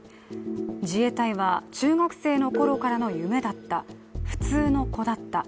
自衛隊は中学生のころからの夢だった、普通の子だった。